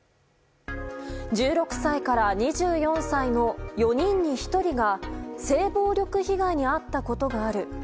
１６歳から２４歳の４人に１人が性暴力被害に遭ったことがある。